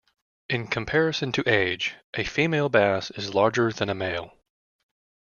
In comparison to age, a female bass is larger than a male.